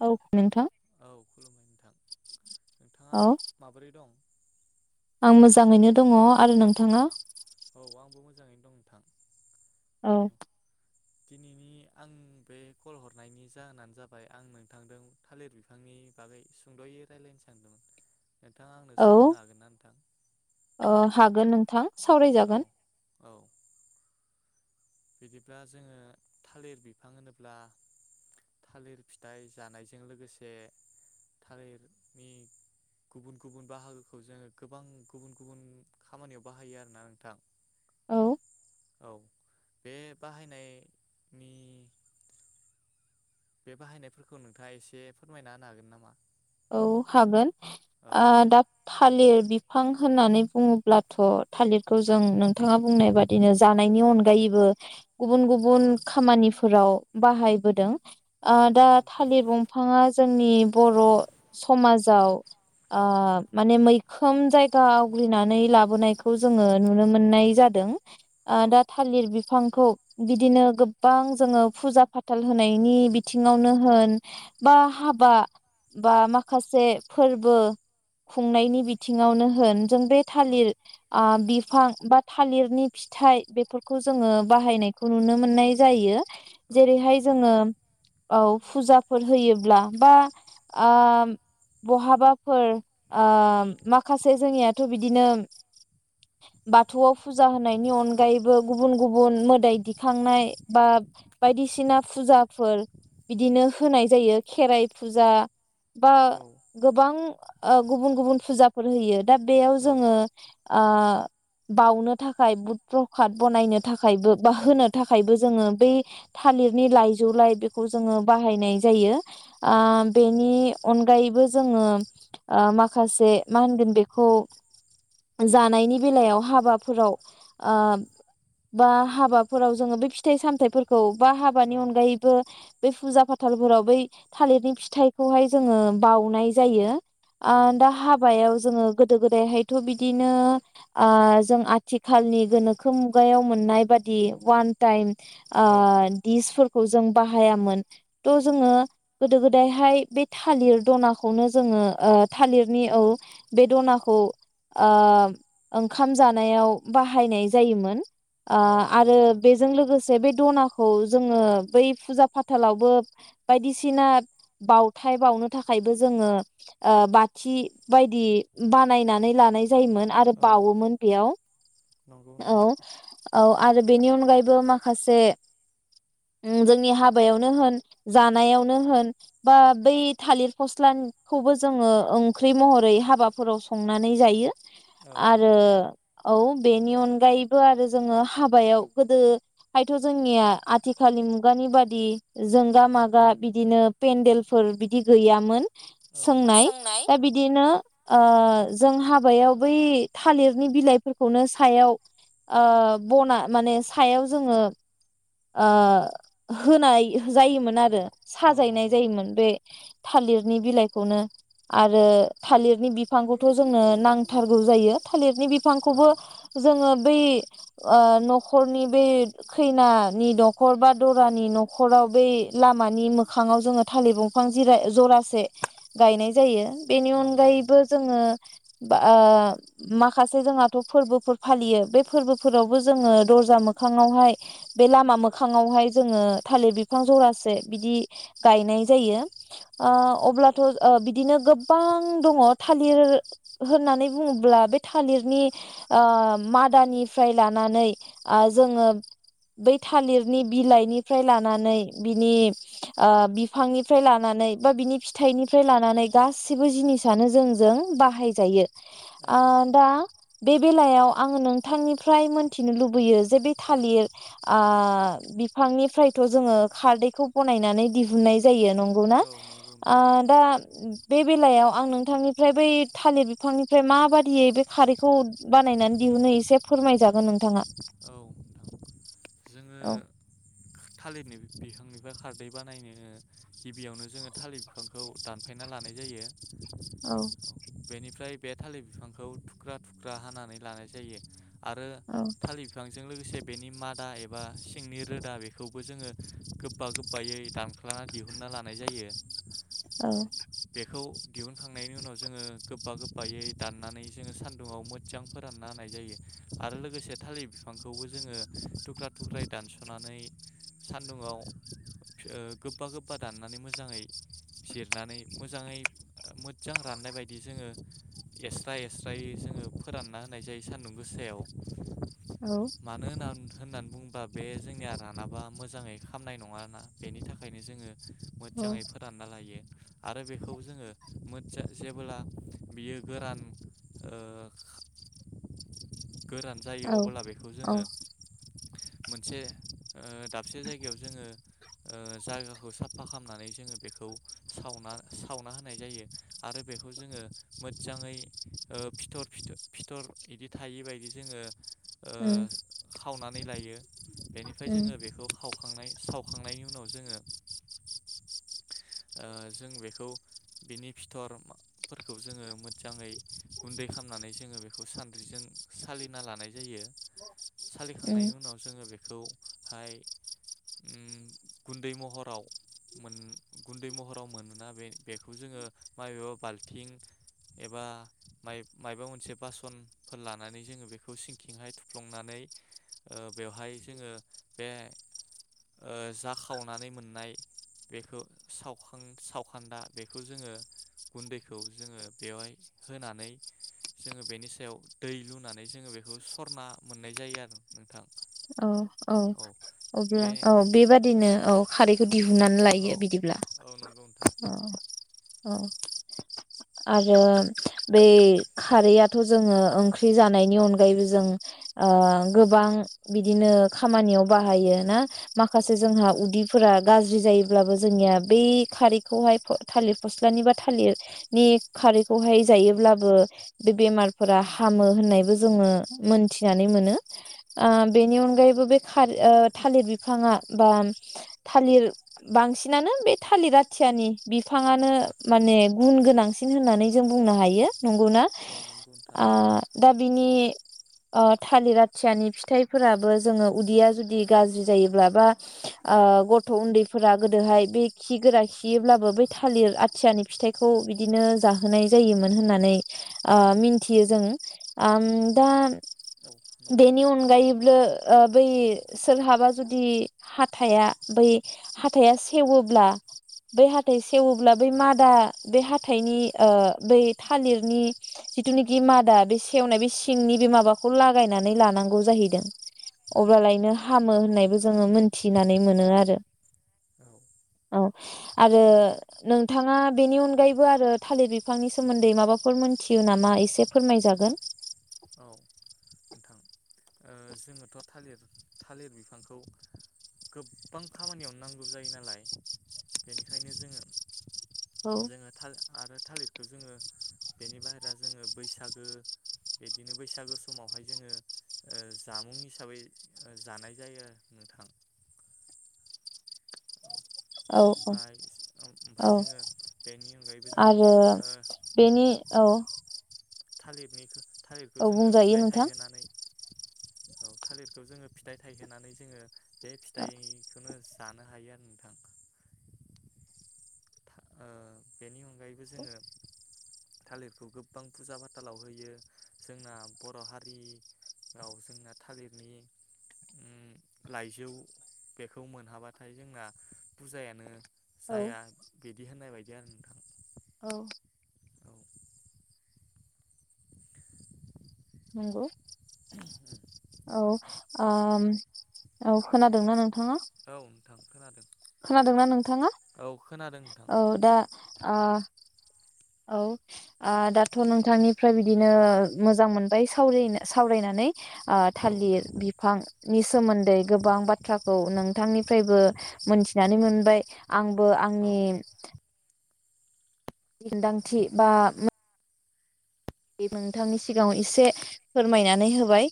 औ नोंथां औ [unintelligible] आं मोजाङैनो दङ। आरो नोंथाङा? औ आंबो मोजाङैनो दं नोंथां औ दिनैनि आं बे कल हरनायनि जाहोनानो जाबाय आं नोंथांजों थालिर बिफांनि बागै सुंद'यै रायलायनो सानदोंमोन नोंथाङा आंनो सम होनो हागोन ना नोंथां? अ हागोन नोंथां। औ सावरायजागोन। औ बिदिब्ला जोङो थालिर बिफां होनोब्ला थालिर फिथाइ जानायजों लोगोसे थालिरनि गुबुन गुबुन बाहागोखौ जोङो गोबां गुबुन गुबुन खामानियाव बाहायो आरोना नोंथां, औ औ बे बाहायनायनि बे बाहायनायफोरखौ नोंथाङा एसे फोरमायना होनो हागोन नामा? औ नोंथां हागोन औ आ दा थालिर बि फां होननानै बुङोब्लाथ' थालिरखौ जों नोंथाङा बुंनाय बादिनो जानायनि अनगायैबो गुबुन गुबुन औ खामानि फोराव बाहायबोदों। आ औ दा नंगौ नोंथां थालिर बंफाङा जोंनि बर' समाजाव आ औ माने मै खोम जायगा आवग्रिनानै लाबोनायखौ जोङो नुनो मोननाय जादों। आं औ दा थालिर बिफां खौ बिदिनो गोबां जोङो फुजा फाथाल होनायनि बिथिङावनो होन बा हाबा बा माखासे फोरबो खुंनायनि बिथिङावनो होन जों बे औ थालिर आ बि बिफां बा थालिरनि फिथाइ बेफोरखौ जोङो बाहायनायखौ नुनो मोननाय जायो। औ नंगौ जेरैहाय जोङो नोंथां औ फुजाफोर होयोब्ला बा आ बहाबाफोर आ माखासे जोंनियाथ' बिदिनो बाथौआव फुजा होनायनि औ अनगायैबो गुबुन गुबुन मोदाइ दिखांनाय बा बायदिसिना फुजाफोर बिदिनो होनाय जायो खेराइ फुजा बा औ गोबां ओ गुबुन गुबुन फुजाफोर होयो। दा औ बेयाव जोङो आ बावनो थाखाय बुट प्रकाद बनायनो था खायबो बा होनो थाखायबो जोङो बै थालिरनि लाइजौ लाइ बेखौ जोङो बाहायनाय जायो। आम नि अनगायैबो जोङो ओ माखासे मा होनगोन बेखौ जानायनि बेलायाव हाबाफोराव बा आ हाबाफोराव जोङो बे फिथाइ सामथायाइफोरखौ बा हाबानि अनगायैबो बेै फुजा फाथालफोराव बै थालिरनि फिथाइ खौहाय जोङो बाउनाय जायो। आ दा हाबायाव जोङो गोदो गोदायहायथ बिदिनो आ जों आथिखालनि गोनोखो मुगायाव मोननाय बादि वान टाइम ओ औ दिसफोरखौ जों बाहायामोन थ' जोङो गोदो गोदायहाय बे थालिर दनाखौनो जोङो ओ थालिरनि औ बे दनाखौ ओ ओंखाम जानायाव बाहायनाय जायोमोन। औ आ औ नंगौ आरो नोंथां बेजों लोगोसे बे दनाखौ जोङो बै फुजा फाथालावबो बायदिसिना बाउ थाय बावनो थाखायबो जोङो ओ बाथि बायदि बानायनानै लानाय जायोन आरो औ बावोमोन बेयाव। नंगौ औ नोंथां औ आरो बेनि अन गायबो माखासे ओम जोंनि हाबायावनो होन जानायावनो होन बा बै थालिर फस्लानखौबो जोङो ओंख्रि महरै हाबाफोराव संनानै जायो। औ आरो नंगौ नोंथां औ बेनि अन गायैबो आरो जोङो हाबायाव गोदोहायथ जोंनिया आथिखालनि मुगानि बादि जोंगा मागा बिदिनो पेेन्डेल फोर बिदि गैयामोन। सोंनाय दा बिदिनो ओ जों हाबायाव बै थालिरनि बिलाइफोरखौनो सायाव ओ बना माने सायाव जोङो ओ होनाय जायोमोन औ आरो औ साजायनाय नंगौ नोंथां जायोमोन। थालिरनि बिलाइखौनो आरो थालिरनि बिफांखौथ जोंनो नांथारगौ जायो थालिर नि औ बिफांखौबो जोङो बै ओ नखरनि बै खैनानि नखर बा दरानि नखराव बै लामानि मोखाङाव जोङो थालिर बं फां जिरा जरासे गायनाय जायो। बेनि औ नंगौ अनगायैबो नोंथां जोङो ओ माखासे जोंहाथ फोरबोफोर फालियो बे फोरबोफोरावबो जोङो दरजा मोखाङावहाय बे लामा मोखाङावहाय जोङो थालिर बिफां जरासे बिदि गायनाय जायो। ओ औ अब्लाथ' ओ बि दिनो गोबां दङ थालिर होननानै बुङोब्ला बे थालिरनि आ मादानिफ्राय लानानै आ जोङो बै थालिरनि बिलाइनिफ्राय लानानै बिनि आ बिफांनि फ्राय लानानै बा बिनि फिथाइनिफ्राय लानानै गासिबो जिनिसनो जोंजों बाहायजायो। औ आ दा बे बेलायाव आङो नोंथांनिफ्राय मोनथिनो लुबैयो जे बे थालिर ओ बिफांनिफ्रायथ जोङो खारदैखौ बनायनानै दिहुनन्नाय जायो। नंगौना औ नंगौ आ नोंथां दा बे बेलायाव आं नोंथांनिफ्राय बै थालिर बिफांनिफ्राय माबादियै बे खारैखौ बानायनानै दिहुनो एसे फोरमायजागोन नोंथाङा। औ जोङो औ थालिरनि बि फांनिफ्राय खारदै बानायनो ओ गिबियावनो जोङो थालिर बिफांखौ दानफायना लानाय जायो। औ। बेनिफ्राय बे थालिर बिफांखौ थुख्रा थुख्रा हानानै लानाय जायो। आरो औ थालि बेजों लोगोसे बेनि मादा एबा सिंनि रोदा बेखौबो जोङो गोबा गोबायै दानख्लानानै दिहुनन्ना लानाय जायो। औ बेखौ दिहुनखांनायनि उनाव जोङो गोबा गोबायै दाननानै जोङो सान्दुुंआव मोजां फोरानना होनाय जायो आरो लोगोसे थालिर बिफांखौबो जोङो थुख्रा थुख्रायै दानसनानै सान्दुङाव गोबा गोबा दाननानै मोजाङै जिरनानै मोजाङै मोजां राननाय बायदि जोङो एस्राय एस्रायै जोङो फोरानना होनाय जायो सान्दुं गोसायाव। मानो होनना होननानै बुङोबा बे जोंनिया रानाबा मोजाङै खामनाय नङाना बेनि थाखायनो जोङो औ मोजाङै फोरानना लायो आरो बेखौ जोङो जेबोला बियो गोरान ओ गोरान जायो औ अब्ला बेखौ औ जोङो मोनसे ओ दाबसे जायगायाव जोङो ओ जायगाखौ साफा खालामनानै जोङो बेखौ सावना सावना होनाय जायो आरो बेखौ जोङो मोजाङै फिथर फिथर बिदि थायिबायदि बि जोङो उम ओ खावनानै नै लायो बेनिफ्राय उम जोङो बेखौ खावखांनाय सावखांनायनि उनाव जोङो ओ जों बेखौ बेनि फिथरफोरखौ जोङो मोजाङै गुन्दै खालामनानै जोङो बेखौ सान्द्रिजों सालिना लानाय जायो उम सालिखांनायनि उनाव जोङो बेखौ बेखौहाय उम गुन्दै महराव मोन गुन्दै महराव मोनोना बेखौ जोङो माबेबा बाल्थिं एबा माइबा मोनसे बासनफोर ला नानै जोङो बेखौ सिंखिंहाय थुफ्लंनानै ओ बेवहाय जोङो बे ओ जा खावनानै मोननाय बेखौ सावखां सावखान्दा बेखौ जोङो गुन्दैखौ जोङो बेवहाय होनानै जोङो बेनि सायाव दै लुनानै जोङो बेखौ सरना मोननाय जायो आरो नोंथां। औ अ औ बे औ बेबादिनो औ- खारैखौ दिहुननानै औ लायो बिदिब्ला। औ नंगौ नोंथां औ आरो बै खारैआथ जोंङो ओंख्रि जानायनि अनगायैबो जों ओ गोबां बिदिनो औ खामानियाव बाहायो ना। औ माखासे नंगौ जोंहा नोंथां उदैफोरा गाज्रि, बिदि जायोब्लाबो जोंनिया बे खारैखौहाय थालिर फस्लानि बा थालिरनि खारैखौहाय जायोब्लाबो बे बेमारफोरा हामो होननायबो जोंङो मोनथिनानै मोनो ओ बेनि अनगायैबो बे औ खारै नंगौ ओ नोंथां थालिर बिफाङा बा थालिर बांसिनानो बे थालिर आथियानि बिफाङानो माने गुन गोनांसिन होननानै जों बुंनो हायो। नंगौना औ नंगौ नोंथां आ दा बिनि ओ थालिर आथियानि फिथाइफोराबो जोङो उदैया जुदि गाज्रि जायोब्ला बा ओ गथ' उन्दैफोरा गोदोहाय बे खि गोरा खियोब्लाबो बै थालिर आथियानि फिथाइखौ बिदिनो जाहोनाय जायोमोन होननानै ओ मिन्थियो जों ओम दा औ बेनि अन गायोब्ला ओ बै सोरहाबा जुदि हाथाया बै हाथाया सेवोब्ला बै हाथाय सेेवोब्ला बै मादा बे हाथा थायनि ओ बै थालिरनि जिथुनाखि मादा बे सेवनाय बे सिंनि बे माबाखौ लागायनानै लानांगौ जाहैदों। अब्लालायनो ह हामो औ नंगौ होननायबो नोंथां जोङो मोनथि मिथिनानै मोनो आरो औ औ आरो नोंथाङा बेनि अनगायैबो आरो थालिर बिफांनि सोमोन्दै माबाफोर मोनथियो नामा एसे फोरमायजागोन। औ। नोंथां ओ जोङोथ' थालिर थालिर बिफांखौ गोबबां खामानियावनो नांगौ जायो नालाय बेनिखायनो जोङो औ जोङो थाल आरो थालिर बेखौ जोङो बेनि बाहेरा जोङो बैसागो बिदिनो बैसागो समावहाय जोङो जामुं हिसाबै जानाय जायो आरो नोंथां औ औ औ ओमफाय औ ओ-ओमफाय जोङो बेनि अनगायैबो जोङो आरो था ओ बेनि औ थालिरनिखौ थालिरखौ औ जोङो बुंजायो फिथाइ नोंथां। थायहोनानै औ थालिरखौ जोङो फिथाइ थायहोनानै जोङो बे फिथाइखौनो जानो हायो आरो नोंथां ओ बेनि अनगायैबो जोङो थालिरखौ गोबां फुजा फाथालाव होयो जोंना बर' हारियाव जोंना थालिरनि उम लाइजौ बेखौ मोनहाब्लाथाय जोंना फुजायानो औ जाया। बिदि होननाय बायदि आरो नोंथां औ औ नंगौ औ नोंथां ओम औ खोनादोंना नोंथाङा? औ नोंथां खोनादों खोनादोंना नोंथाङा? औ खोनादों नोंथां औ दा आ औ ओ दाथ' नोंथांनिफ्राय बिदिनो मोजां मोनबाय सावरिनो सावरायनानै औ थालिर नोंथां बिफांनि सोमोन्दै गोबां बाथ्राखौ नोंथांनिफ्रायबो मोनथिनानै मोनबाय आंबो औ आंनि मोनदांथि बा नोंथांनि सिगाङाव इसे फोरमायनानै होबाय।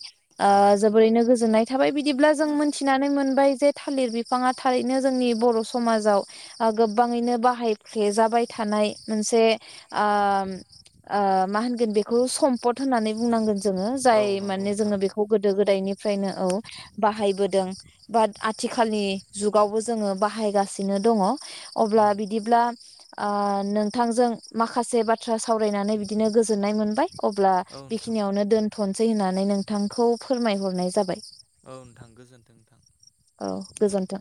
ओ औ नोंथां जोबोरैनो गोजोननाय थाबाय बिदिब्ला जों मोनथिनानै मोनबाय जे थालिर बिफाङा थारैनो जोंनि बर' समाजाव गोबाङैनो बाहायफ्लेजाबाय थानाय मोनसे ओ ओ मा होन बेखौ सम्पद होननानै बुंनांगोन। जोङो औ जाय नंगौ माने नोंथां जोङो बेखौ गोदो गोद दायनिफ्रायनो औ बाहायबोदों बाद आथिखालनि जुगावबो जोंबाहायगासिनो दङ औ अब्लाबिदिब्ला ओ नोंथांजों माखासे बाथ्रा सावरायनानै बिदिनो गोजो गोजोन्नाय मोनबाय‌। अब्ला औ नोंथां बेखिनियावनो दोन्थनो सै होननानै नोंथांखौ फोरमायहरनाय जाबाय। औ नोंथां गोजोनथों नोंथां औ गोजोन्थों।